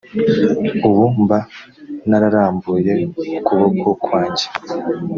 ubu mba nararambuye ukuboko kwanjye